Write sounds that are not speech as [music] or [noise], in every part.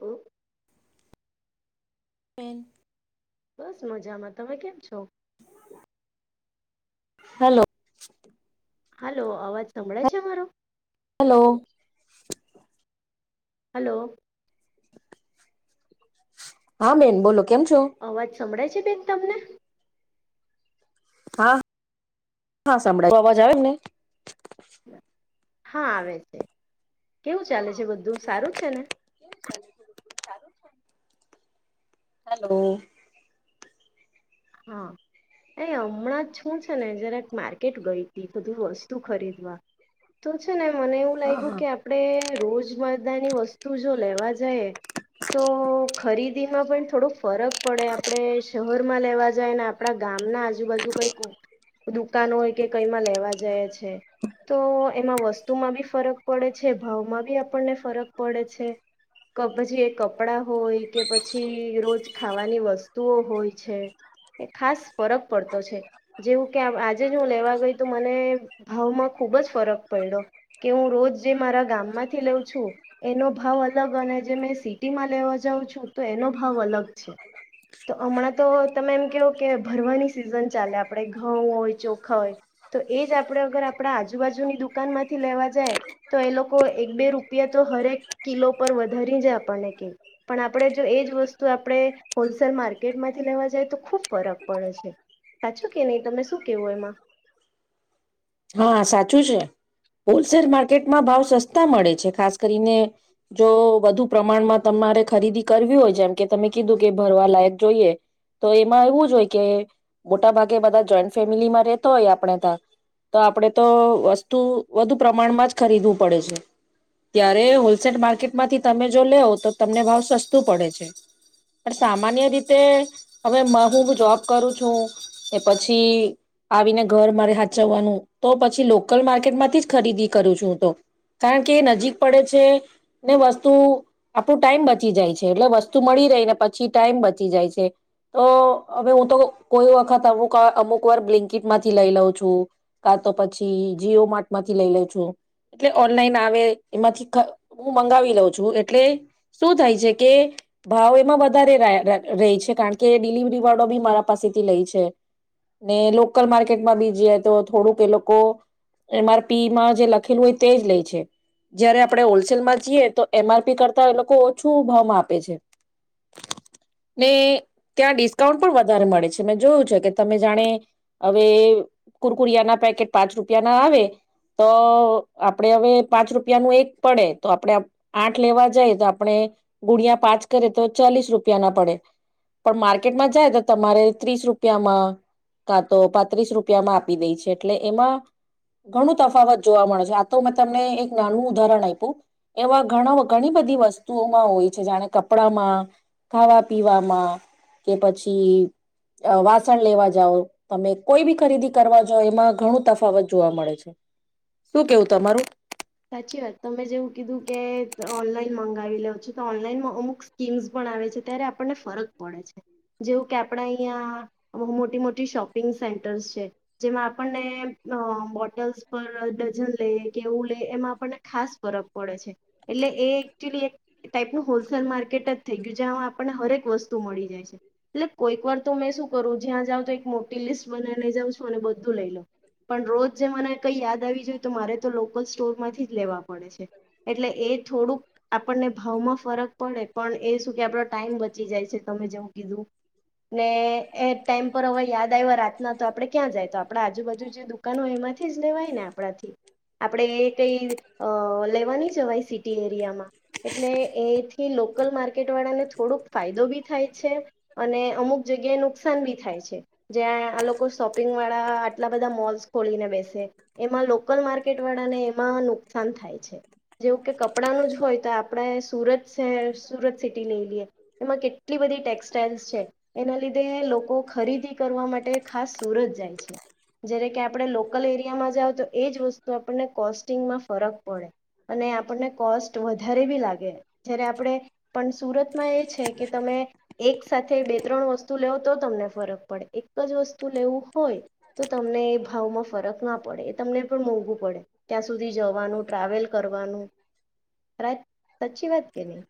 હ હમ્મ બસ મજામાં તમે કેમ છો હેલો હાલો અવાજ સંભળાય છે મારો હલો હલો હા મે બેન બોલો કેમ છો અવાજ સંભળાય છે બેન તમને હા હા સાભળાય અવાજ આવે હા આવે છે કેવું ચાલે છે બધું સારું છે ને હલો હા તે હમણાં હું છુ ને ને જરાક મા કેટ ગઈ ત બધું વસ્તુ ખરીદવા તો છે ને મને એવું હા લાગ્યું હા કે આપડે રોજ મર્દા ની વસ્તુ જો લેવા જાયે તો ખરીદીમાં પણ થોડોક ફરક પડે આપડે શહેર માં લેવા આપણા ગામ ના આજુબાજુ કઈ દુ દુકાનો હોય કે કઈમાં લેવા જાય છે તો એમાં વસ્તુમાં બી ફરક પડે છે ભાવમાં બી આપણને ફરક પડે છે ક પછી કપડાં હોય કે પછી રોજ ખાવાની વસ્તુઓ હોય છે એ ખાસ ફરક પડતો છે જેવું કે આજે જ હું લેવા ગઈ તો મને ભાવમાં ખૂબ જ ફરક પડ્યો કે હું રોજ જે મારા ગામમાંથી લઉં છું એનો ભાવ અલગ અને જે મેં સિટીમાં લેવા જાઉં છું તો એનો ભાવ અલગ છે તો હમણાં તો તમે એમ કેવ કે ભરવાની સિઝન ચાલે આપણે ઘઉં હોય ચોખા હોય તો એ જ આપણે અગર આપણા આજુબાજુની દુકાનમાંથી લેવા જાય તો એ લોકો એક બે રૂપિયા તો હરેક કિલો પર વધારી જ આપણને કે પણ આપણે જો એ જ વસ્તુ આપણે હોલસેલ માર્કેટમાંથી લેવા જાય તો ખૂબ ફરક પડે છે સાચો કે નહીં તમે શું કેવો એમાં હા સાચું છે હોલસેલ માર્કેટમાં ભાવ સસ્તા મળે છે ખાસ કરીને જો વધુ પ્રમાણમાં તમારે ખરીદી કરવી હોય જેમ કે તમે કીધું કે ભરવા લાયક જોઈએ તો એમાં એવું જ હોય કે મોટા ભાગે બધા જોઈન્ટ ફેમિલીમાં રહેતો હોય આપણે ત્યાં તો આપણેે તો વસ્તુ વધુ પ્રમાણમાં જ ખરીદવું પડે છે ત્યારે હોલસેલ માર્કેટમાંથી તમે જો લેવ તો તમને ભાવ સસ્તું પડે છે પણ સામાન્ય રીતે હવે હું જોબ કરું છું કે પછી આવીને ઘર મારે હાચ જવાનું તો પછી લોકલ માર્કેટ માંથી જ ખરીદી કરું છું હું તો કારણ કે એ નજીક પડે છે ને વસ્તુ આપણું ટાઈમ બચી જાય છે એટલે વસ્તુ મળી રહેહીને પછી ટાઈમ બચી જાય છે તો હવે હું તો કોઈ વખત અમુક અમુક વાર બ્લેન્કીટમાંથી લઈ લઉં છું. કા તો પછી જીઓ માર્ટમાંથી લઈ લઉ છું એટલે ઓનલાઈન આવે એમાંથી હું મંગાવી લઉ છું એટલે શું થાય છે કે ભાવ એમાં વધારે રહી છે કારણ કે ડિલિવરી વાળો બી મારા પાસેથી લઈ છે ને લોકલ માર્કેટમાં બી જીયે તો થોડુંક એ લોકો એમઆરપીમાં જે લખેલું હોય તે જ લે છે જયારે આપણે હોલસેલમાં જીએ તો એમઆરપી કરતા એ લોકો ઓછું ભાવમાં આપે છે ને ત્યાં ડિસ્કાઉન્ટ પણ વધારે મળે છે મે જોયું છે કે તમે જાણે હવે ગુળિયાના પેકેટ પાંચ રૂપિયા ના આવે તો આપણેે હવે પાંચ રૂપિયાનું એક પડે તો આપણેે આઠ લેવા જઈએ તો આપણે ગુડિયા પાંચ કરે તો ચાલીસ રૂપિયા ના પડે પણ માર્કેટમાં જાય તો તમારે ત્રીસ રૂપિયામાં કાં તો પાત્રીસ રૂપિયામાં આપ એટલે એમાં ઘણું તફાવત જોવા મળે છે આ તો મેં તમને એક નાનું ઉદાહરણ આપ્યું એવા ઘણા ઘણી બધી વસ્તુઓમાં હોય છે જાણે કપડામાં ખાવા પીવામાં કે પછી વાસણ લેવા જાાવ તમે કોઈ બી ખરીદી કરવા જો એમાં ઘણું તફાવત જોવા મળે છે શું કેવું તમારું સાચી વાત તમે જેવું કીધું કે ઓનલાઈન મંગાવી લઉ છો તો ઓનલાઈનમાં અમુક સ્કીમ્સ પણ આવે છે ત્યારે આપણને ફરક પડે છે જેવું કે આપડા અહિયાયા મોટી મોટી શોપિંગ સેન્ટર્સ છે જેમાં આપણને બોટલ્સ પર ડઝન લઈએ કે એવું એમાં આપણને ખાસ ફરક પડે છે એટલે એ ટાઈપનું હોલસેલ માર્કેટ જ થઈ ગયું જ્યામાં આપણને હરેક વસ્તુ મળી જાય છે એટલે કોઈક વાર તો મેં શું કરું જ્યાં જાઉ તો એક મોટી લિસ્ટ બનાને જાઉં છું અને બધું લઈ લો પણ રોજ જે મને કઈ યાદ આવી જોય તો મારે તો સ્ટોર માંથી જ લેવા પડે છે એટલે એ થોડુંક આપણને ભાવમાં ફરક પડે પણ એ શું કે આપણો ટાઈમ બચી જાય છે તમે જેવું કીધું ને એ ટાઈમ પર હવે યાદ આવ્યા રાતના તો આપણેે ક્યાં જાય તો આપણા આજુબાજુ જે દુકાનો હોય એમાંથી લેવાય ને આપણાથી આપડણે એ કઈ અ લેવાની જવા સિટી એરિયામાં એટલે એથી લોકલ માર્કેટ વાળાને થોડોક ફાયદો બી થાય છે અને અમુક જગ્યાએ નુકસાન બી થાય છે જ્યાં આ લોકો શોપિંગ વાળા આટલા બધા મોલ્સ ખોલીને બેસે એમાં લોકલ માર્કેટ માર્કેટ વાળા ને એમાં નુકસાન થાય છે જેવું કે કપડાનું જ હોય તો આપણે સુરત સ સુરત સિટી લઈ લઈએ. એમાં કેટલી બધી ટેક્સટાાઈલ્સ છે. એના લીધે લોકો ખરીદી કરવા માટે ખાસ સુરત જાય છે જ્યારે કે આપણે લોકલ એરિયામાં જાઓ તો એ જ વસ્તુ તો આપણને કોસ્ટિંગમાં ફરક પડે અને આપણને કોસ્ટ વધારે બી લાગે જય્યારે આપણે પણ સુરતમાં એ છે કે તમે એક સાથે બે ત્રણ વસ્તુ લેવ તો તમને ફરક પડે એક જ વસ્તુ લેવું હોય તો તમને એ ભાવમાં ફરક ના પડે એ તમને પણ મોંઘું ત્યાં સુધી જવાનું ટ્રાવેલ કરવાનુંત સાચી વાત કે નહી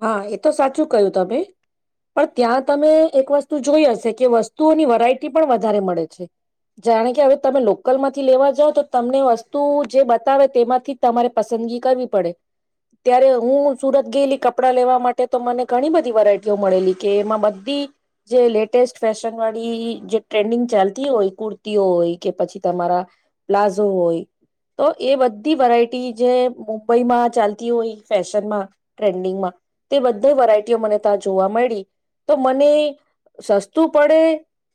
હા એ તો સાચું ક્યું તમે પણ ત્યાં તમે એક વસ્તુ જોઈ હશે કે વસ્તુઓની વરાયટી પણ વધારે મળે છે જાણે કે હવે તમે લોકલમાંથી લેવા જાવ તો તમને વસ્તુ જે બતાવે તેમાંથી તમારે પસંદગી કરવી પડે ત્યારે હું સુરત ગયેલી કપડાં લેવા માટે તો મને ઘણી બધી વેરાયટીઓ મળેલી કે એમાં બધી જે લેટેસ્ટ ફેશન વાળી જે ટ્રેન્ડિંગ ચાલતી હોય કુર્તીઓ હોય કે પછી તમારા પ્લાઝો હોય તો એ બધી વેરાઈટી જે મુંબઈમાં ચાલતી હોય ફેશનમાં ટ્રેન્ડિંગમાં તે બધા વરાયટીઓ મને ત્યાં જોવા મળી તો મને સસ્તું પડે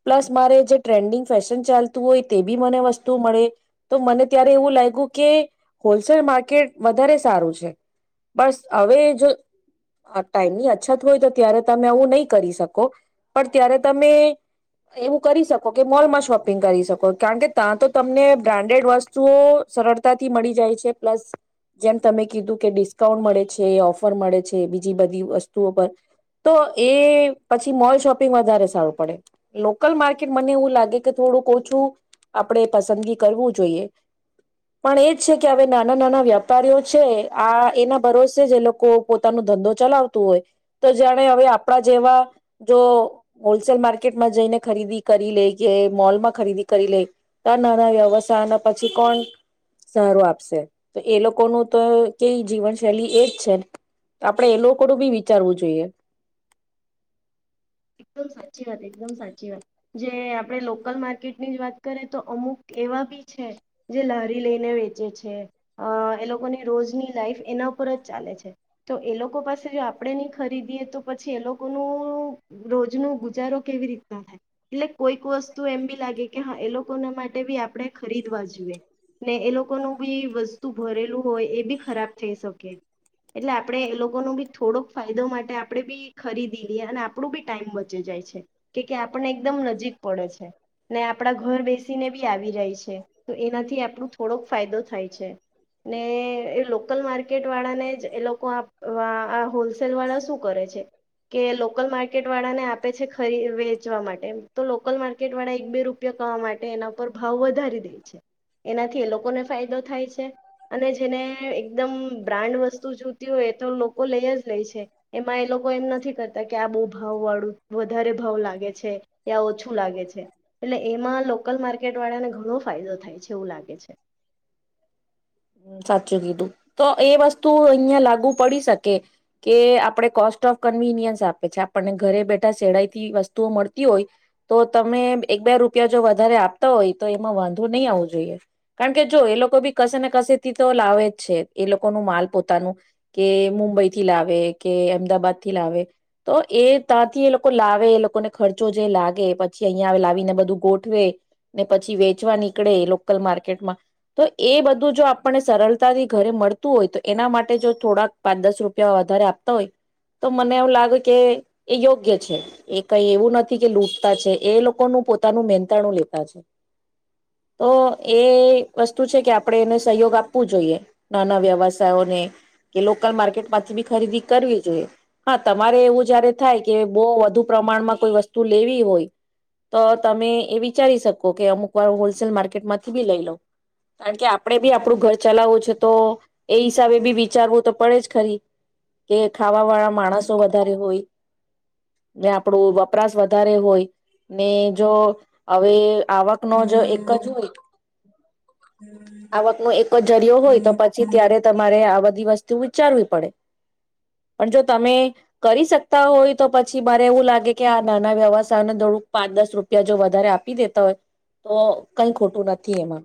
પ્લસ મારે જે ટ્રેન્ડિંગ ફેશન ચાલતું હોય તે બી મને વસ્તુ મળે તો મને ત્યારે એવું લાગ્યું કે હોલસેલ માર્કેટ વધારે સારું છે બસ હવે જો ટાઈમની અછત હોય તો ત્યારે તમે આવું નહીં કરી શકો પણ ત્યારે તમે એવું કરી શકો કે મોલમાં શોપિંગ કરી શકો કારણ કે ત્યાં તો તમને બ્રાન્ડેડ વસ્તુઓ સરળતાથી મળી જાય છે પ્લસ જેમ તમે કીધું કે ડિસ્કાઉન્ટ મળે છે ઓફર મળે છે બીજી બધી વસ્તુઓ પર તો એ પછી મોલ શોપિંગ વધારે સારું પડે લોકલ માર્કેટ મને એવું લાગે કે થોડું ઓછું આપણે પસંદગી કરવું જોઈએ પણ એજ છે કે હવે નાના નાના વ્યાપારીઓ છે આ એના ભરોસે જે એ લોકો પોતાનું ધંધો ચલાવતું હોય તો જાણે હવે આપણા જેવા જો હોલસેલ માર્કેટમાં જઈને ખરીદી કરી લે કે મોલમાં ખરીદી કરી લે તો આ નાના વ્યવથાયના પછી કોણ સારો આપશે તો એ લોકોનું તો કે જીવન શૈલી એજ છે ને આપણેે એ લોકોનું બી વિચારવું જોઈએ એકદમ સાચી વાત એકદમ સાચી વાત જે આપણે લોકલ માર્કેટની જ વાત કરીએ તો અમુક એવા બી છે જે લહારી લઈને વેચે છે અ એ લોકોની રોજની લાઈફ એના ઉપર જ ચાલે છે તો એ લોકો પાસે જો આપણે નહી ખરીદીએ તો પછી એ લોકોનું રોજ ન ગુજારો કેવી રીતના થાય એટલે કોઈક વસ્તુ એમ બી લાગે કે હા એ લોકોના માટે બી આપણે ખરીદવા જોઈએ ને એ લોકોનું બી વસ્તુ ભરેલું હોય એ બી ખરાબ થઈ શકે એટલે આપણેે એ લોકો ન બી થોડોક ફાયદો માટે આપણે બી ખરીદી લઈએ અને આપણું બી ટાઈમ બચી જાય છે કે કે આપને એકદમ નજીક પડે છે ને આપડા ઘર બેસીને બી આવી રહી છે. એનાથી આપણ થોડોક ફાયદો થાય છે ને એ લોકલ માર્કેટ વાળાને જ એ હોલસેલ વાળા શું કરે છે કે લોકલ માર્ ળને આપે છે વેચવા માટે તો લોકલ માર્કેટ વાળા એક બે રૂપિયા કરવા માટે એના પર ભાવ વધારે એનાથી એ લોકોને ફાયદો થાય છે અને જેને એકદમ બ્રાન્ડ વસ્તુ જોતી હોય એ તો લોકો લઈ જ લે છે એમાં એ લોકો એમ નથી કરતા કે આ બ ભાવળ વધારે ભાવ લાગે છે યા ઓછું લાગે છે એટલે એમાં લોકલ માર્કેટ વાળા ઘણો ફાયદો થાય છે એવું લાગે છે. ું કીધું તો એ વસ્તુ અહિયાયા લાગુ પડી શકે કે આપણે કોસ્ટ ઓફ કન્વીનિયન્સ આપે છે આપણને ઘરે બેઠા શેડાઈથી વસ્તુઓ મળતી હોય તો તમે એક બે રૂપિયા જો વધારે આપતા હોય એમાં વાંધો નહીં આવવો જોઈએ કારણ કે જો એ લોકો બી કશે ને કશેથી તો લાવે જ છે એ લોકોનું માલ પોતાનું કે મુંબઈ થી લાવે કે અમદાબાદ થી લાવે તો એ ત્યાંથી એ લોકો લાવે એ લોકોને ખર્ચો જે લાગે પછી અહીયાંયા લાવીને બધું ગોઠવે પછી વેચવા નીકળે લોકલ માર્કેટમાં તો એ બધું જો આપણને સરળતાથી ઘરે મળતું હોય તો એના માટે જો થોડાક પાંચ દસ રૂપિયા વધારે આપતા હોય તો મને એવું લાગે કે એ યોગ્ય છે એ કઈ એવું નથી કે લૂટતા છે એ લોકોનું પોતાનું મહેનતાણું લેતા છે. તો એ વસ્તુ છે કે, આપણેે એને સહયોગ આપવું જોઈએ. નાના વ્યવસાયોને કે લોકલ માર્કેટ માંથી બી ખરીદી કરવી જોઈએ, હા તમારે એવું જયારે થાય કે બહુ વધુ પ્રમાણમાં કોઈ વસ્તુ લેવી હોય, તો તમે એ વિચારી શકો અમુક વાર હોલસેલ માર્કેટ માંથી બી લઈ લઉ. કારણ કે આપણે બી આપડું ઘર ચલાવવું છે, તો એ હિસાબે બી વિચારવું તો પડે જ ખરી, કે ખાવા વાળા માણસો વધારે હોય, ને આપણું વપરાશ વધારે હોય, ને જો હવે આવક ન જો એક જ [unintelligible] આવકનો એક જ જરિયો હોય, તો પછી ત્યારે તમારે આ બધી વસ્તુ વિચારવી પડે. પણ જો તમે કરી શકતા હોય તો, પછી મારે એવું લાગે કે આ નાના વ્યવથાયને થોડુંક પાંચ દસ રૂપિયા જો વધારે આપી દેતા હોય તો કઈ ખોટું નથી એમાં,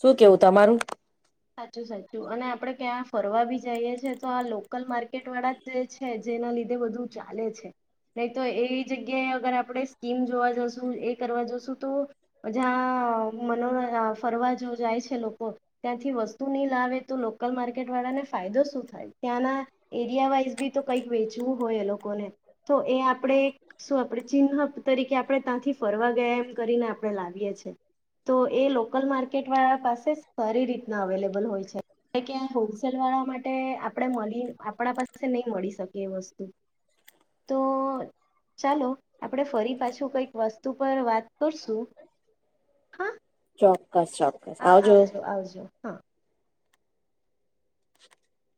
શું કેવું તમારું? સાચું સાચું! અને આપડે ક્યાં ફરવા બી જઈએ છે, તો આ લોકલ માર્કેટ વાળા જ જે છે, જેના લીધે બધું ચાલે છે. નહી તો એ જગ્યાએ અગર આપણે સ્કીમ જોવા જઈશું, એ કરવા જશું, તો જ્યાં મનો ફરવા જો જાય છે લોકો ત્યાંથી થી વસ્તુ નહી લાવે તો લોકલ માર્કેટ વાળાને ફાયદો શું થાય? ત્યાંના એરિયા વાઈઝ બી તો કંઈક વેચવું હોય, એ લોકોને તો એ આપણે શું આપણે ચિન્નહ તરીકે આપણે ત્યાંથી ફરવા ગયા એમ કરીને આપણે લાવીએ છીએ તો. એ લોકલ માર્કેટ વાળા પાસે સારી રીતે ડબલ હોય છે, કે હોલસેલ વાળા માટે આપણે મળી આપણા પાસે નહી મળી શકે એ વસ્તુ, તો ચાલો આપણે ફરી પાછું કઈક વસ્તુ પર વાત કરશું. હ ચોક્કસ ચોક્કસ હા આવજો આવજો હા! [inaudible]